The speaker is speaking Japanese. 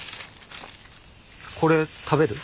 これ食べる？